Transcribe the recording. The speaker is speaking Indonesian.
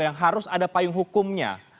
yang harus ada payung hukumnya